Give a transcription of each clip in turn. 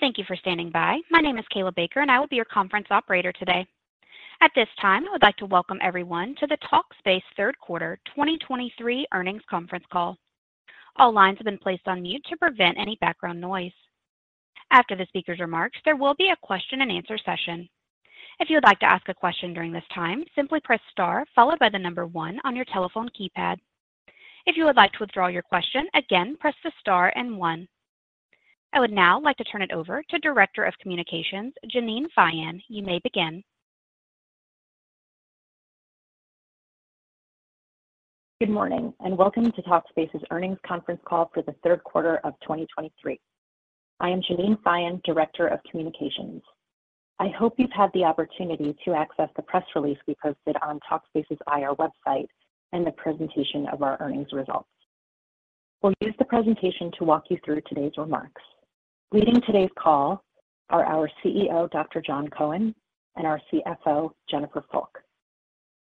Thank you for standing by. My name is Kayla Baker, and I will be your conference operator today. At this time, I would like to welcome everyone to the Talkspace third quarter 2023 earnings conference call. All lines have been placed on mute to prevent any background noise. After the speaker's remarks, there will be a question and answer session. If you would like to ask a question during this time, simply press star followed by the number one on your telephone keypad. If you would like to withdraw your question, again, press the star and one. I would now like to turn it over to Director of Communications, Jeannine Feyen. You may begin. Good morning, and welcome to Talkspace's earnings conference call for the third quarter of 2023. I am Jeannine Feyen, Director of Communications. I hope you've had the opportunity to access the press release we posted on Talkspace's IR website and the presentation of our earnings results. We'll use the presentation to walk you through today's remarks. Leading today's call are our CEO, Dr. Jon Cohen, and our CFO, Jennifer Fulk.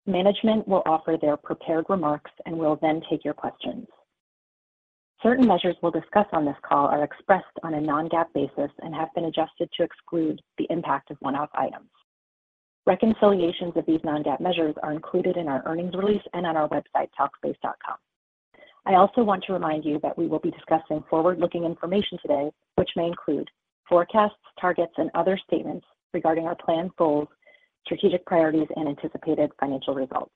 Management will offer their prepared remarks, and we'll then take your questions. Certain measures we'll discuss on this call are expressed on a non-GAAP basis and have been adjusted to exclude the impact of one-off items. Reconciliations of these non-GAAP measures are included in our earnings release and on our website, talkspace.com. I also want to remind you that we will be discussing forward-looking information today, which may include forecasts, targets, and other statements regarding our planned goals, strategic priorities, and anticipated financial results.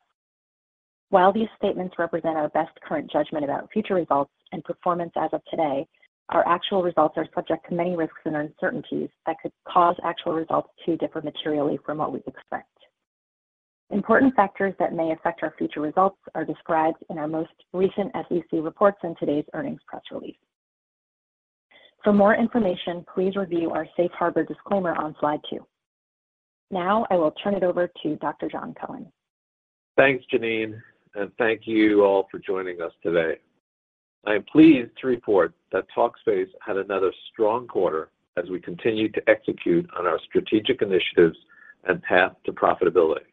While these statements represent our best current judgment about future results and performance as of today, our actual results are subject to many risks and uncertainties that could cause actual results to differ materially from what we expect. Important factors that may affect our future results are described in our most recent SEC reports and today's earnings press release. For more information, please review our safe harbor disclaimer on slide two. Now, I will turn it over to Dr. Jon Cohen. Thanks, Jeannine, and thank you all for joining us today. I am pleased to report that Talkspace had another strong quarter as we continue to execute on our strategic initiatives and path to profitability.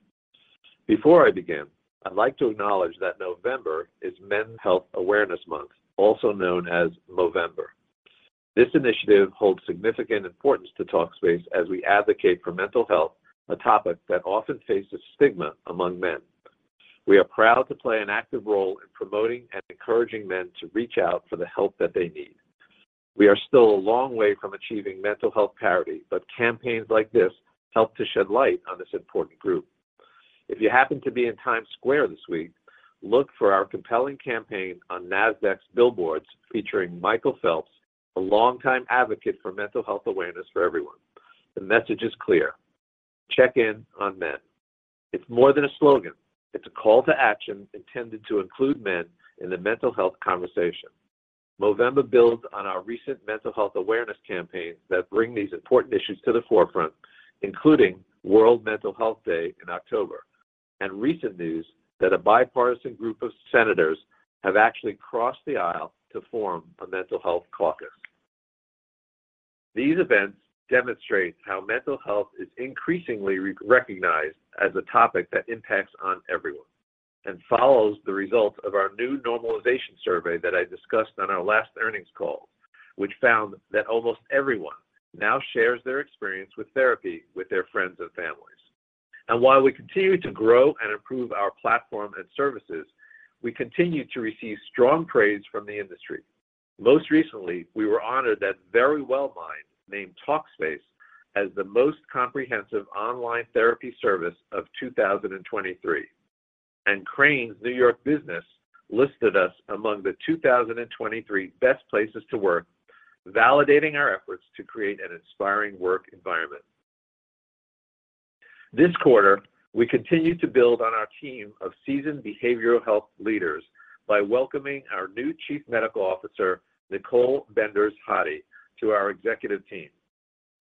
Before I begin, I'd like to acknowledge that November is Men's Health Awareness Month, also known as Movember. This initiative holds significant importance to Talkspace as we advocate for mental health, a topic that often faces stigma among men. We are proud to play an active role in promoting and encouraging men to reach out for the help that they need. We are still a long way from achieving mental health parity, but campaigns like this help to shed light on this important group. If you happen to be in Times Square this week, look for our compelling campaign on Nasdaq's billboards featuring Michael Phelps, a longtime advocate for mental health awareness for everyone. The message is clear: Check in on men. It's more than a slogan. It's a call to action intended to include men in the mental health conversation. Movember builds on our recent mental health awareness campaigns that bring these important issues to the forefront, including World Mental Health Day in October, and recent news that a bipartisan group of senators have actually crossed the aisle to form a mental health caucus. These events demonstrate how mental health is increasingly re-recognized as a topic that impacts on everyone and follows the results of our new normalization survey that I discussed on our last earnings call, which found that almost everyone now shares their experience with therapy, with their friends and families. And while we continue to grow and improve our platform and services, we continue to receive strong praise from the industry. Most recently, we were honored that Verywell Mind named Talkspace as the most comprehensive online therapy service of 2023, and Crain's New York Business listed us among the 2023 best places to work, validating our efforts to create an inspiring work environment. This quarter, we continued to build on our team of seasoned behavioral health leaders by welcoming our new Chief Medical Officer, Nikole Benders-Hadi, to our executive team.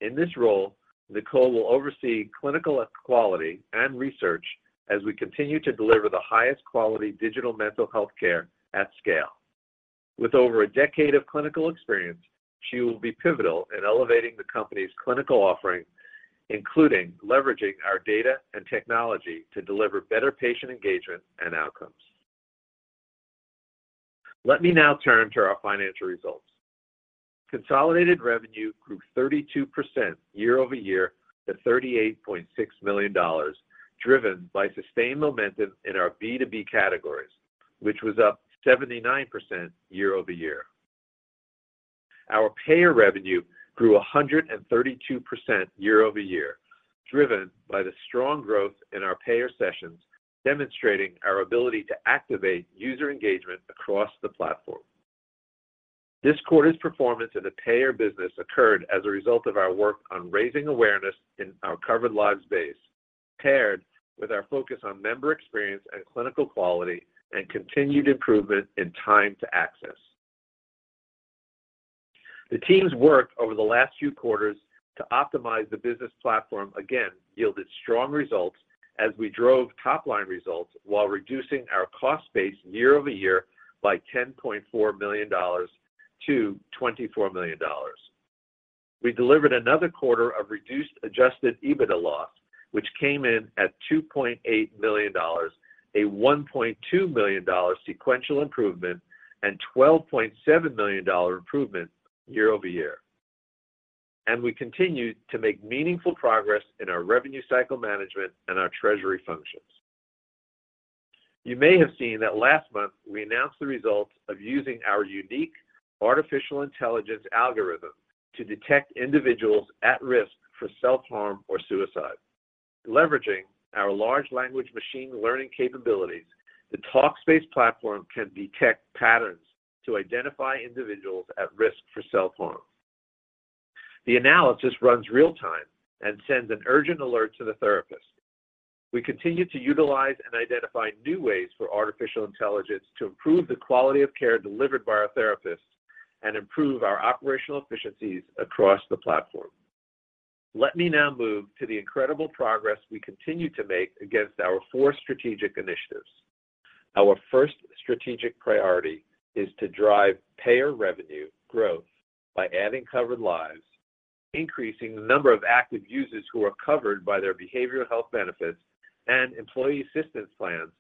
In this role, Nikole will oversee clinical quality and research as we continue to deliver the highest quality digital mental health care at scale. With over a decade of clinical experience, she will be pivotal in elevating the company's clinical offering, including leveraging our data and technology to deliver better patient engagement and outcomes. Let me now turn to our financial results. Consolidated revenue grew 32% year-over-year to $38.6 million, driven by sustained momentum in our B2B categories, which was up 79% year-over-year. Our Payer revenue grew 132% year-over-year, driven by the strong growth in our Payer sessions, demonstrating our ability to activate user engagement across the platform. This quarter's performance in the Payer business occurred as a result of our work on raising awareness in our Covered Lives base, paired with our focus on member experience and clinical quality and continued improvement in time to access. The team's work over the last few quarters to optimize the business platform again yielded strong results as we drove top-line results while reducing our cost base year-over-year by $10.4 million to $24 million. We delivered another quarter of reduced Adjusted EBITDA loss.... Which came in at $2.8 million, a $1.2 million sequential improvement, and $12.7 million year-over-year improvement. We continued to make meaningful progress in our revenue cycle management and our treasury functions. You may have seen that last month, we announced the results of using our unique artificial intelligence algorithm to detect individuals at risk for self-harm or suicide. Leveraging our large language machine learning capabilities, the Talkspace platform can detect patterns to identify individuals at risk for self-harm. The analysis runs real-time and sends an urgent alert to the therapist. We continue to utilize and identify new ways for artificial intelligence to improve the quality of care delivered by our therapists and improve our operational efficiencies across the platform. Let me now move to the incredible progress we continue to make against our four strategic initiatives. Our first strategic priority is to drive Payer revenue growth by adding Covered Lives, increasing the number of active users who are covered by their behavioral health benefits and employee assistance plans,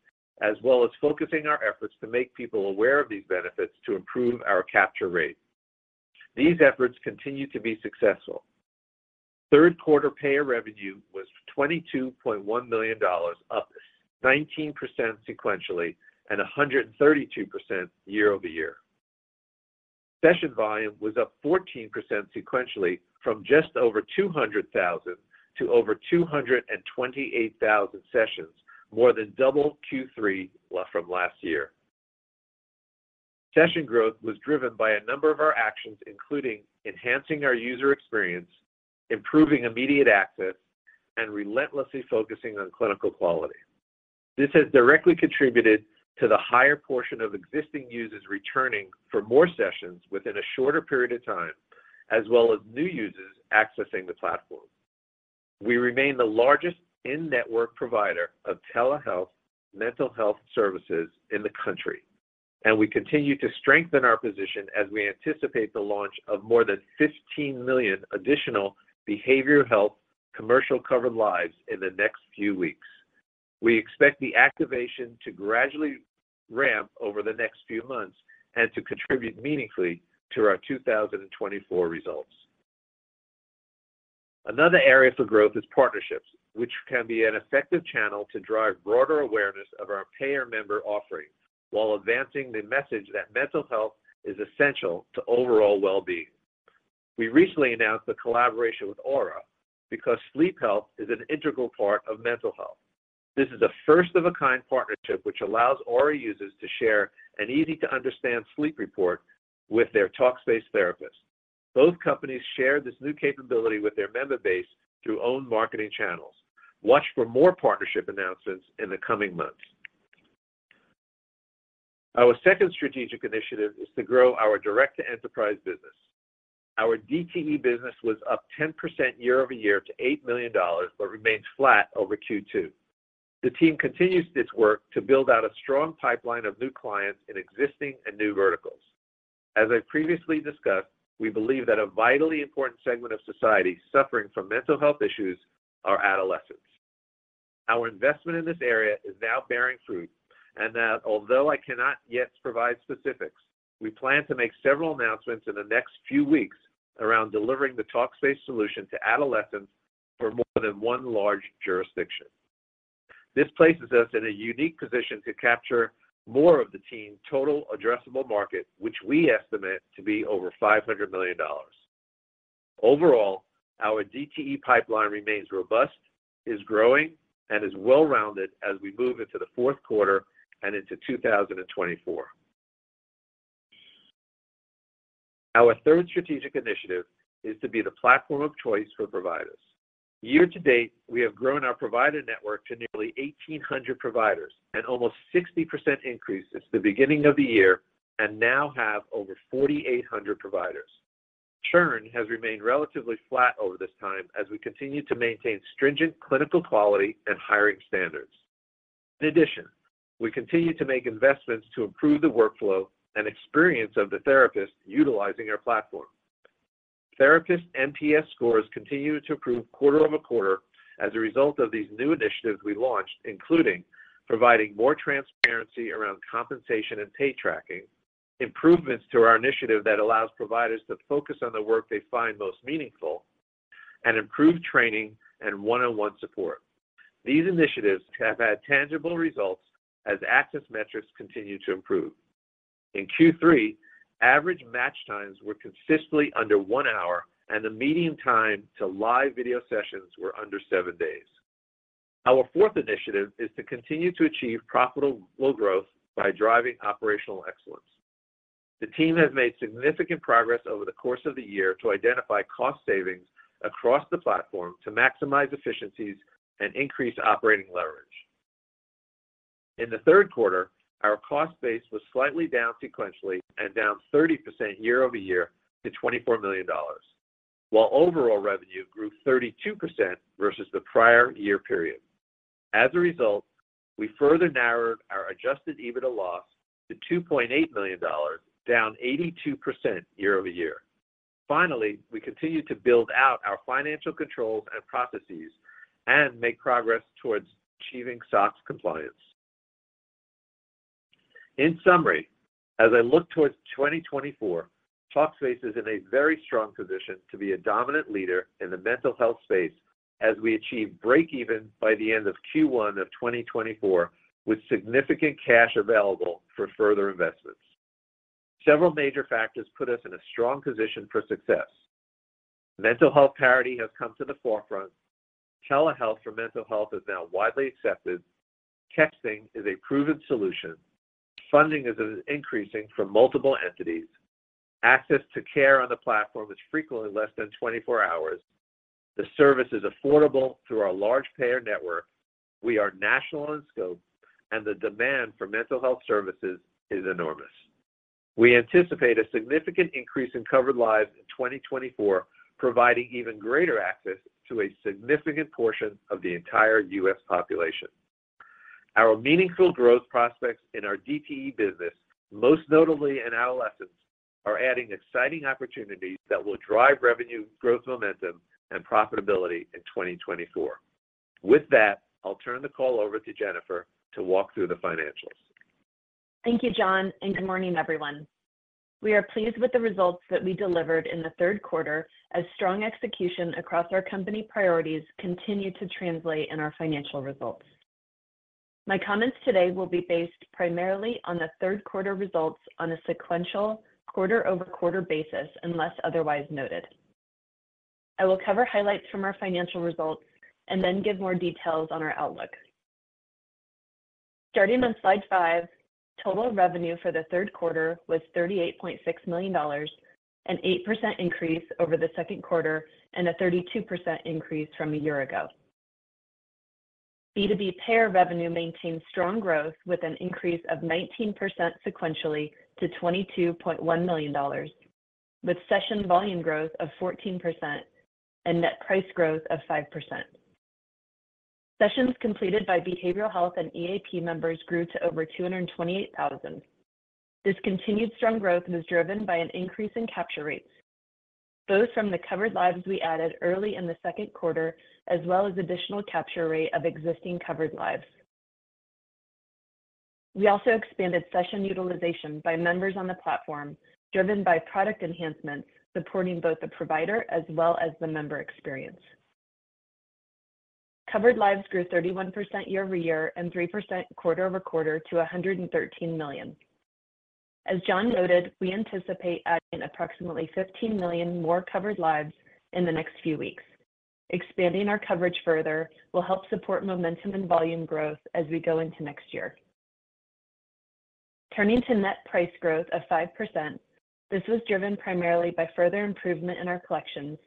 as well as focusing our efforts to make people aware of these benefits to improve our capture rate. These efforts continue to be successful. Third quarter Payer revenue was $22.1 million, up 19% sequentially and 132% year-over-year. Session volume was up 14% sequentially from just over 200,000 to over 228,000 sessions, more than double Q3 from last year. Session growth was driven by a number of our actions, including enhancing our user experience, improving immediate access, and relentlessly focusing on clinical quality. This has directly contributed to the higher portion of existing users returning for more sessions within a shorter period of time, as well as new users accessing the platform. We remain the largest in-network provider of telehealth mental health services in the country, and we continue to strengthen our position as we anticipate the launch of more than 15 million additional behavioral health commercial Covered Lives in the next few weeks. We expect the activation to gradually ramp over the next few months and to contribute meaningfully to our 2024 results. Another area for growth is partnerships, which can be an effective channel to drive broader awareness of our Payer member offerings, while advancing the message that mental health is essential to overall well-being. We recently announced a collaboration with Oura, because sleep health is an integral part of mental health. This is a first-of-a-kind partnership which allows Oura users to share an easy-to-understand sleep report with their Talkspace therapist. Both companies share this new capability with their member base through own marketing channels. Watch for more partnership announcements in the coming months. Our second strategic initiative is to grow our direct-to-enterprise business. Our DTE business was up 10% year-over-year to $8 million, but remains flat over Q2. The team continues its work to build out a strong pipeline of new clients in existing and new verticals. As I previously discussed, we believe that a vitally important segment of society suffering from mental health issues are adolescents. Our investment in this area is now bearing fruit, and that although I cannot yet provide specifics, we plan to make several announcements in the next few weeks around delivering the Talkspace solution to adolescents for more than one large jurisdiction. This places us in a unique position to capture more of the team's total addressable market, which we estimate to be over $500 million. Overall, our DTE pipeline remains robust, is growing, and is well-rounded as we move into the fourth quarter and into 2024. Our third strategic initiative is to be the platform of choice for providers. Year to date, we have grown our provider network to nearly 1,800 providers, and almost 60% increase since the beginning of the year, and now have over 4,800 providers. Churn has remained relatively flat over this time as we continue to maintain stringent clinical quality and hiring standards. In addition, we continue to make investments to improve the workflow and experience of the therapist utilizing our platform. Therapist NPS scores continue to improve quarter-over-quarter as a result of these new initiatives we launched, including providing more transparency around compensation and pay tracking, improvements to our initiative that allows providers to focus on the work they find most meaningful, and improved training and one-on-one support. These initiatives have had tangible results as access metrics continue to improve. In Q3, average match times were consistently under 1 hour, and the median time to live video sessions were under seven days. Our fourth initiative is to continue to achieve profitable growth by driving operational excellence. The team has made significant progress over the course of the year to identify cost savings across the platform to maximize efficiencies and increase operating leverage. In the third quarter, our cost base was slightly down sequentially and down 30% year-over-year to $24 million, while overall revenue grew 32% versus the prior year period. As a result, we further narrowed our Adjusted EBITDA loss to $2.8 million, down 82% year-over-year. Finally, we continued to build out our financial controls and processes and make progress towards achieving SOX compliance. In summary, as I look towards 2024, Talkspace is in a very strong position to be a dominant leader in the mental health space as we achieve breakeven by the end of Q1 of 2024, with significant cash available for further investments. Several major factors put us in a strong position for success. Mental health parity has come to the forefront. Telehealth for mental health is now widely accepted. Coaching is a proven solution. Funding is increasing from multiple entities. Access to care on the platform is frequently less than 24 hours. The service is affordable through our large Payer network. We are national in scope, and the demand for mental health services is enormous. We anticipate a significant increase in Covered Lives in 2024, providing even greater access to a significant portion of the entire U.S. population. Our meaningful growth prospects in our DTE business, most notably in adolescents, are adding exciting opportunities that will drive revenue, growth, momentum, and profitability in 2024. With that, I'll turn the call over to Jennifer to walk through the financials. Thank you, Jon, and good morning, everyone. We are pleased with the results that we delivered in the third quarter, as strong execution across our company priorities continued to translate in our financial results. My comments today will be based primarily on the third quarter results on a sequential, quarter-over-quarter basis, unless otherwise noted. I will cover highlights from our financial results and then give more details on our outlook. Starting on slide five, total revenue for the third quarter was $38.6 million, an 8% increase over the second quarter and a 32% increase from a year ago. B2B Payer revenue maintained strong growth with an increase of 19% sequentially to $22.1 million, with session volume growth of 14% and net price growth of 5%. Sessions completed by behavioral health and EAP members grew to over 228,000. This continued strong growth was driven by an increase in capture rates, both from the Covered Lives we added early in the second quarter, as well as additional capture rate of existing Covered Lives. We also expanded session utilization by members on the platform, driven by product enhancements, supporting both the provider as well as the member experience. Covered Lives grew 31% year-over-year and 3% quarter-over-quarter to 113 million. As Jon noted, we anticipate adding approximately 15 million more covered lives in the next few weeks. Expanding our coverage further will help support momentum and volume growth as we go into next year. Turning to net price growth of 5%, this was driven primarily by further improvement in our collections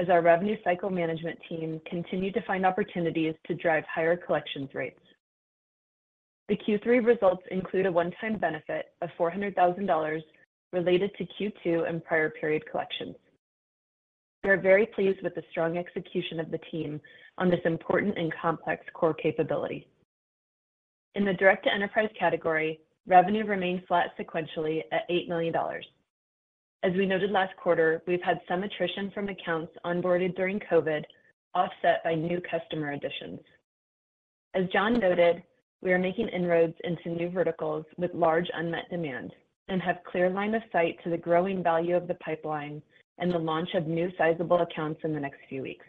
as our revenue cycle management team continued to find opportunities to drive higher collections rates. The Q3 results include a one-time benefit of $400,000 related to Q2 and prior period collections. We are very pleased with the strong execution of the team on this important and complex core capability. In the Direct-to-Enterprise category, revenue remained flat sequentially at $8 million. As we noted last quarter, we've had some attrition from accounts onboarded during COVID, offset by new customer additions. As Jon noted, we are making inroads into new verticals with large unmet demand and have clear line of sight to the growing value of the pipeline and the launch of new sizable accounts in the next few weeks.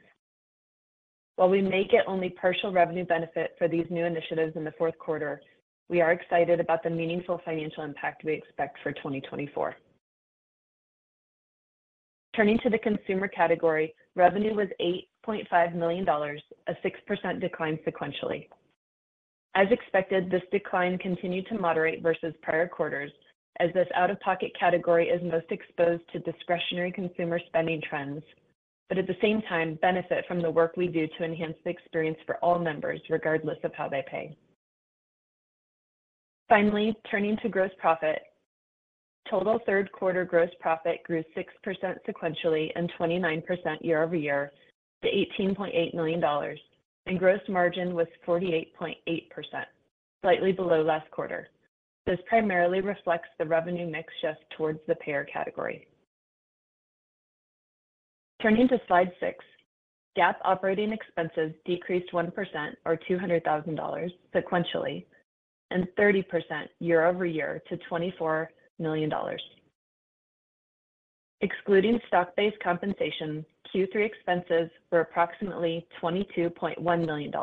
While we may get only partial revenue benefit for these new initiatives in the fourth quarter, we are excited about the meaningful financial impact we expect for 2024. Turning to the consumer category, revenue was $8.5 million, a 6% decline sequentially. As expected, this decline continued to moderate versus prior quarters, as this out-of-pocket category is most exposed to discretionary consumer spending trends, but at the same time benefit from the work we do to enhance the experience for all members, regardless of how they pay. Finally, turning to gross profit. Total third quarter gross profit grew 6% sequentially and 29% year-over-year to $18.8 million, and gross margin was 48.8%, slightly below last quarter. This primarily reflects the revenue mix shift towards the Payer category. Turning to slide six, GAAP operating expenses decreased 1% or $200,000 sequentially and 30% year-over-year to $24 million. Excluding stock-based compensation, Q3 expenses were approximately $22.1 million,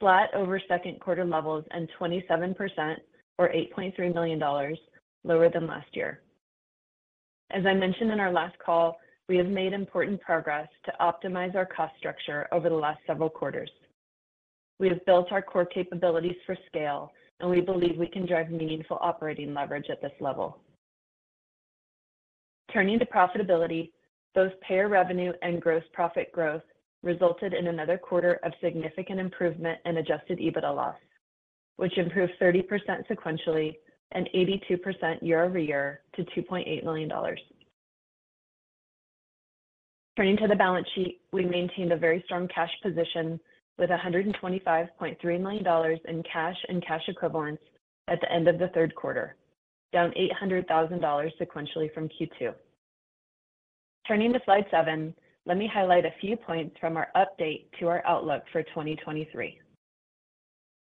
flat over second quarter levels and 27% or $8.3 million lower than last year. As I mentioned in our last call, we have made important progress to optimize our cost structure over the last several quarters. We have built our core capabilities for scale, and we believe we can drive meaningful operating leverage at this level. Turning to profitability, both Payer revenue and gross profit growth resulted in another quarter of significant improvement in Adjusted EBITDA loss, which improved 30% sequentially and 82% year-over-year to $2.8 million. Turning to the balance sheet, we maintained a very strong cash position with $125.3 million in cash and cash equivalents at the end of the third quarter, down $800,000 sequentially from Q2. Turning to slide seven, let me highlight a few points from our update to our outlook for 2023.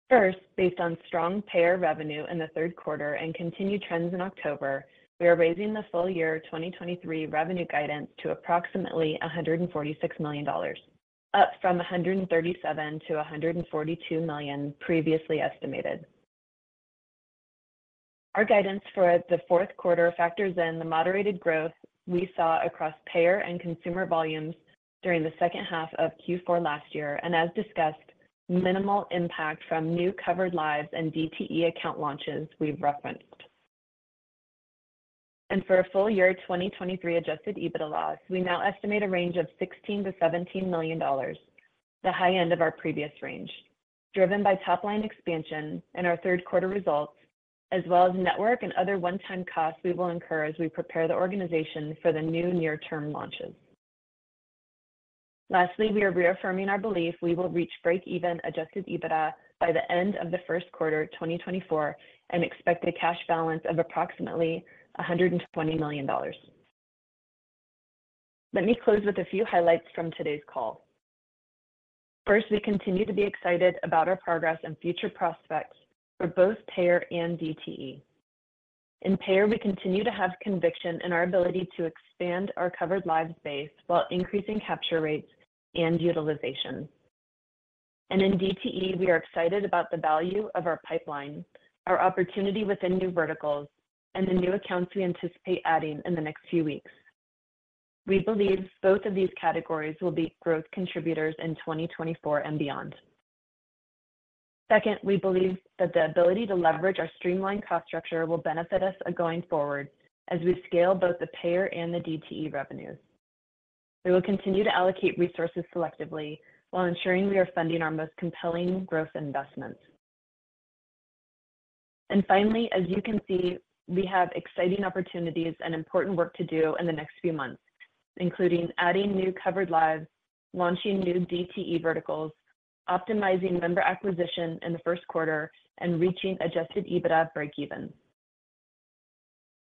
First, based on strong Payer revenue in the third quarter and continued trends in October, we are raising the full-year 2023 revenue guidance to approximately $146 million, up from $137 million-$142 million previously estimated. Our guidance for the fourth quarter factors in the moderated growth we saw across Payer and consumer volumes during the second half of Q4 last year, and as discussed, minimal impact from new Covered Lives and DTE account launches we've referenced. For a full year, 2023 Adjusted EBITDA loss, we now estimate a range of $16 million-$17 million, the high end of our previous range, driven by top line expansion and our third quarter results, as well as network and other one-time costs we will incur as we prepare the organization for the new near-term launches. Lastly, we are reaffirming our belief we will reach break-even Adjusted EBITDA by the end of the first quarter, 2024, and expect a cash balance of approximately $120 million. Let me close with a few highlights from today's call. First, we continue to be excited about our progress and future prospects for both Payer and DTE. In Payer, we continue to have conviction in our ability to expand our Covered Lives base while increasing capture rates and utilization. And in DTE, we are excited about the value of our pipeline, our opportunity within new verticals, and the new accounts we anticipate adding in the next few weeks. We believe both of these categories will be growth contributors in 2024 and beyond. Second, we believe that the ability to leverage our streamlined cost structure will benefit us, going forward as we scale both the Payer and the DTE revenues. We will continue to allocate resources selectively while ensuring we are funding our most compelling growth investments. And finally, as you can see, we have exciting opportunities and important work to do in the next few months, including adding new Covered Lives, launching new DTE verticals, optimizing member acquisition in the first quarter, and reaching Adjusted EBITDA break even.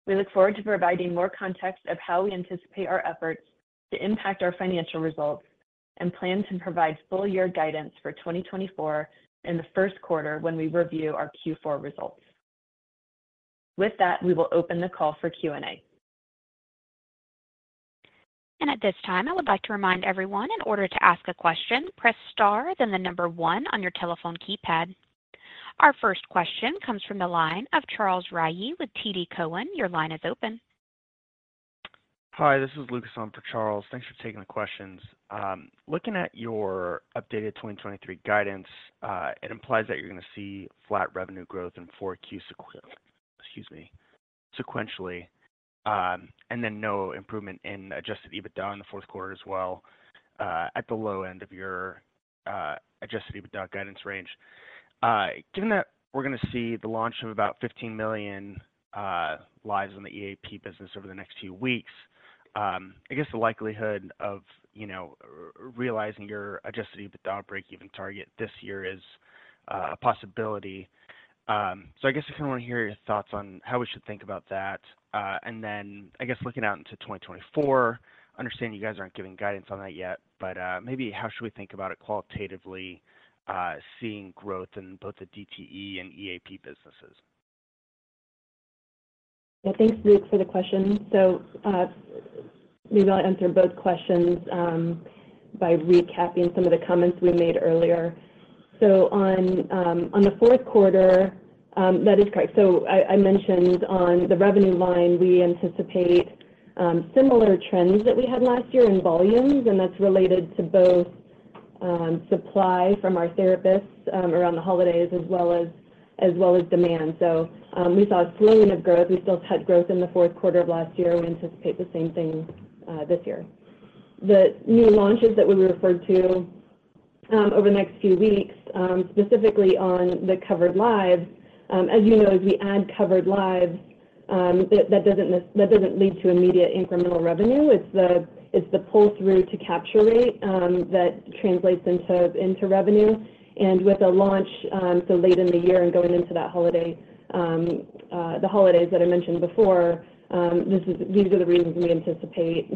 We look forward to providing more context of how we anticipate our efforts to impact our financial results, and plan to provide full year guidance for 2024 in the first quarter when we review our Q4 results. With that, we will open the call for Q&A. At this time, I would like to remind everyone, in order to ask a question, press star, then the number one on your telephone keypad. Our first question comes from the line of Charles Rhyee with TD Cowen. Your line is open. Hi, this is Lucas on for Charles. Thanks for taking the questions. Looking at your updated 2023 guidance, it implies that you're gonna see flat revenue growth sequentially, and then no improvement in Adjusted EBITDA in the fourth quarter as well, at the low end of your Adjusted EBITDA guidance range. Given that we're gonna see the launch of about 15 million lives in the EAP business over the next few weeks, I guess the likelihood of, you know, realizing your Adjusted EBITDA break even target this year is a possibility. So I guess I want to hear your thoughts on how we should think about that. And then, I guess, looking out into 2024, I understand you guys aren't giving guidance on that yet, but, maybe how should we think about it qualitatively, seeing growth in both the DTE and EAP businesses? Well, thanks, Luke, for the question. So, maybe I'll answer both questions, by recapping some of the comments we made earlier. So on, on the fourth quarter, that is correct. So I mentioned on the revenue line, we anticipate, similar trends that we had last year in volumes, and that's related to both, supply from our therapists, around the holidays as well as, as well as demand. So, we saw a slowing of growth. We still had growth in the fourth quarter of last year. We anticipate the same thing, this year. The new launches that we referred to, over the next few weeks, specifically on the Covered Lives, as you know, as we add Covered Lives, that doesn't lead to immediate incremental revenue. It's the pull-through to capture rate that translates into revenue. And with a launch so late in the year and going into that holiday, the holidays that I mentioned before, these are the reasons we anticipate,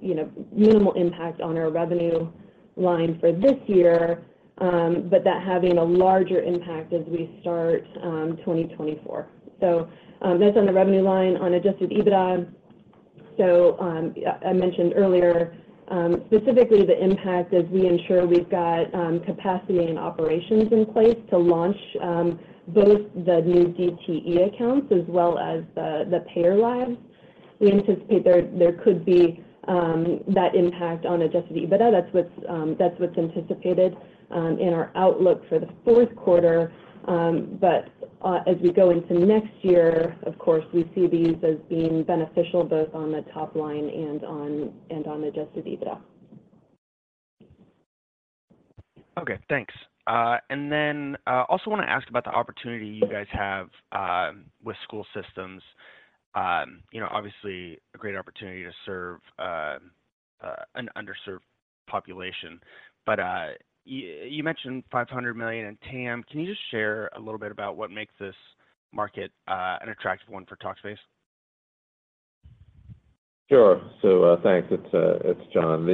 you know, minimal impact on our revenue line for this year, but that having a larger impact as we start 2024. So, that's on the revenue line on Adjusted EBITDA. So, I mentioned earlier, specifically the impact as we ensure we've got capacity and operations in place to launch both the new DTE accounts as well as the Payer lives. We anticipate there could be that impact on Adjusted EBITDA. That's what's anticipated in our outlook for the fourth quarter. As we go into next year, of course, we see these as being beneficial, both on the top line and on Adjusted EBITDA. Okay, thanks. And then, I also want to ask about the opportunity you guys have with school systems. You know, obviously, a great opportunity to serve an underserved population. But, you mentioned $500 million in TAM. Can you just share a little bit about what makes this market an attractive one for Talkspace? Sure. So, thanks. It's Jon.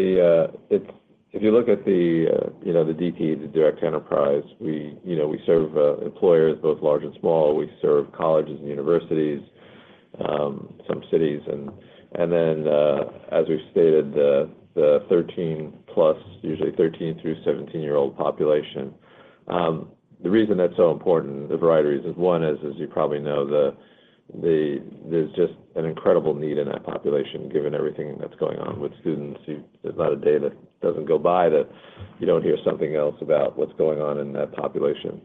If you look at, you know, the DTE, the direct enterprise, we, you know, we serve employers, both large and small. We serve colleges and universities, some cities, and then, as we've stated, the 13+, usually 13 through 17-year-old population. The reason that's so important, the variety is, one, as you probably know, there's just an incredible need in that population, given everything that's going on with students. There's not a day that doesn't go by that you don't hear something else about what's going on in that population.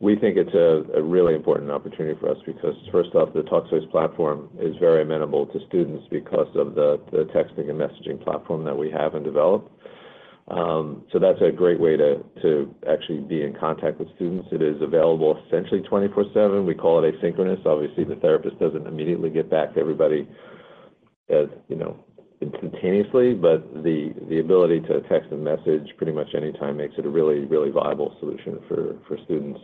We think it's a really important opportunity for us because first off, the Talkspace platform is very amenable to students because of the texting and messaging platform that we have and developed. So that's a great way to actually be in contact with students. It is available essentially 24/7. We call it asynchronous. Obviously, the therapist doesn't immediately get back to everybody as, you know, instantaneously, but the ability to text a message pretty much anytime makes it a really viable solution for students.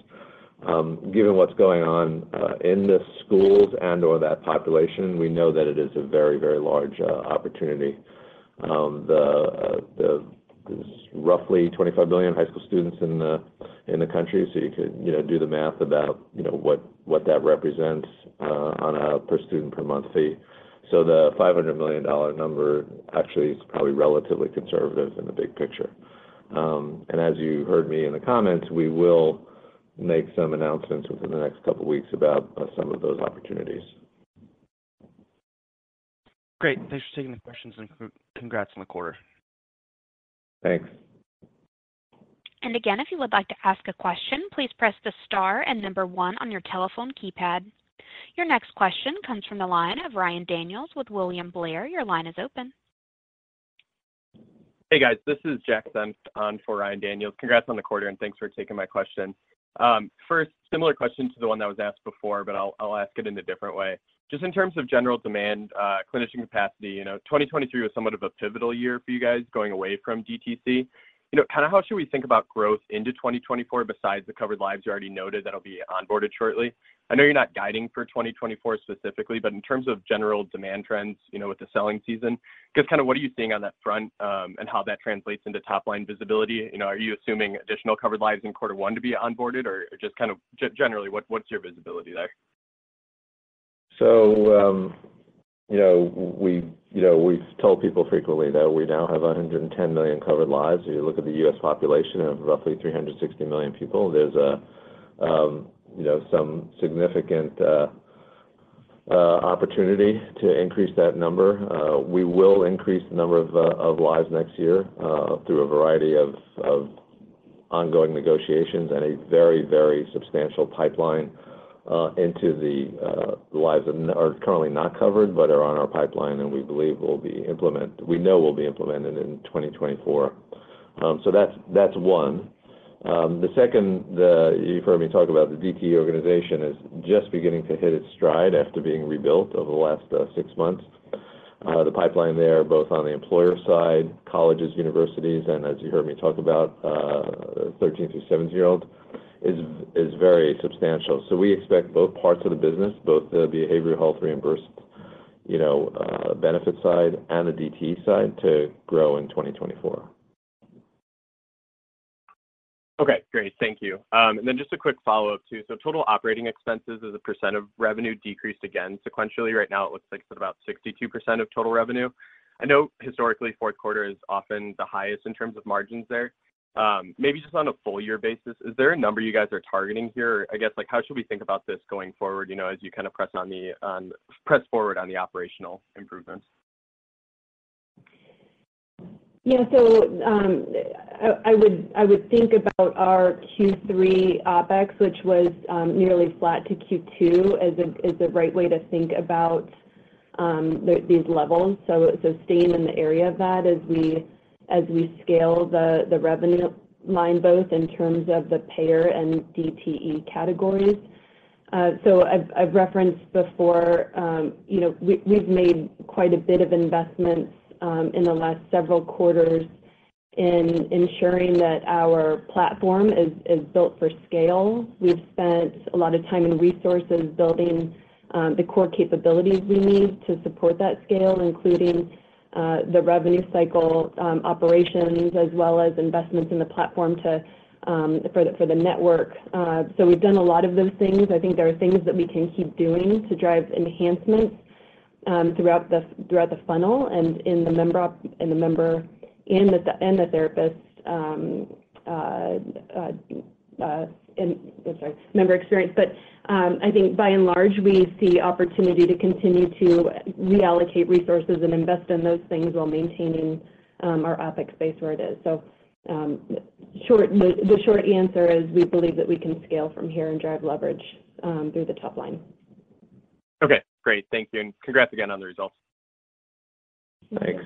Given what's going on in the schools and/or that population, we know that it is a very, very large opportunity. There's roughly 25 million high school students in the country, so you could, you know, do the math about, you know, what that represents on a per-student, per-month fee. So the $500 million number actually is probably relatively conservative in the big picture. And as you heard me in the comments, we will make some announcements within the next couple of weeks about some of those opportunities. Great. Thanks for taking the questions, and congrats on the quarter. Thanks. And again, if you would like to ask a question, please press the star and one on your telephone keypad. Your next question comes from the line of Ryan Daniels with William Blair. Your line is open. Hey, guys. This is Jack Senft on for Ryan Daniels. Congrats on the quarter, and thanks for taking my question. First, similar question to the one that was asked before, but I'll, I'll ask it in a different way. Just in terms of general demand, clinician capacity, you know, 2023 was somewhat of a pivotal year for you guys, going away from DTC. You know, kinda how should we think about growth into 2024 besides the Covered Lives you already noted that'll be onboarded shortly? I know you're not guiding for 2024 specifically, but in terms of general demand trends, you know, with the selling season, just kinda what are you seeing on that front, and how that translates into top-line visibility? You know, are you assuming additional Covered Lives in quarter one to be onboarded, or just kind of generally, what, what's your visibility there? So, you know, we, you know, we've told people frequently that we now have 110 million Covered Lives. If you look at the U.S. population of roughly 360 million people, there's you know, some significant opportunity to increase that number. We will increase the number of lives next year through a variety of ongoing negotiations and a very, very substantial pipeline into the lives that are currently not covered but are on our pipeline, and we believe we know will be implemented in 2024. So that's, that's one. The second, you heard me talk about the DTE organization is just beginning to hit its stride after being rebuilt over the last six months. The pipeline there, both on the employer side, colleges, universities, and as you heard me talk about, 13-17-year-old, is very substantial. So we expect both parts of the business, both the behavioral health reimbursed, you know, benefit side and the DTE side, to grow in 2024. Okay, great. Thank you. And then just a quick follow-up too. So total operating expenses as a percent of revenue decreased again sequentially. Right now, it looks like it's about 62% of total revenue. I know historically, fourth quarter is often the highest in terms of margins there. Maybe just on a full year basis, is there a number you guys are targeting here? I guess, like, how should we think about this going forward, you know, as you kind of press on the, press forward on the operational improvements? Yeah, so, I would think about our Q3 OpEx, which was nearly flat to Q2, as the right way to think about these levels. So staying in the area of that as we scale the revenue line, both in terms of the Payer and DTE categories. So I've referenced before, you know, we've made quite a bit of investments in the last several quarters in ensuring that our platform is built for scale. We've spent a lot of time and resources building the core capabilities we need to support that scale, including the revenue cycle operations, as well as investments in the platform to, for the network. So we've done a lot of those things. I think there are things that we can keep doing to drive enhancements throughout the funnel and in the member and the therapist, in... I'm sorry, member experience. I think by and large, we see opportunity to continue to reallocate resources and invest in those things while maintaining our OpEx base where it is. The short answer is, we believe that we can scale from here and drive leverage through the top line. Okay, great. Thank you, and congrats again on the results. Thanks.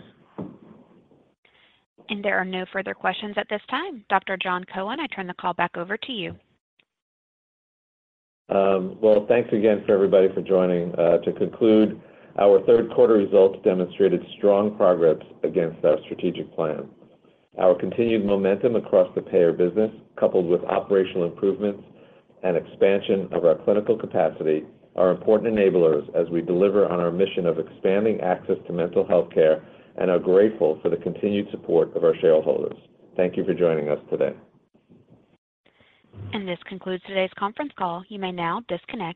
There are no further questions at this time. Dr. Jon Cohen, I turn the call back over to you. Well, thanks again for everybody for joining. To conclude, our third quarter results demonstrated strong progress against our strategic plan. Our continued momentum across the Payer business, coupled with operational improvements and expansion of our clinical capacity, are important enablers as we deliver on our mission of expanding access to mental health care and are grateful for the continued support of our shareholders. Thank you for joining us today. This concludes today's conference call. You may now disconnect.